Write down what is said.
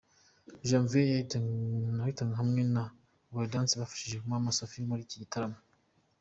Janvier Kayitana hamwe na Gaudence wafashije Maman Safi muri iki gitaramo.